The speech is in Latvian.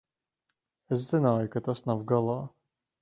Es zināju, ka tas nav galā.